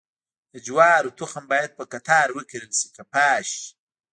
د جوارو تخم باید په قطار وکرل شي که پاش؟